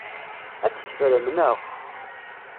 Ad t-teffrem, naɣ?